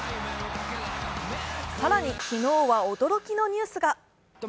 更に、昨日は驚きのニュースが。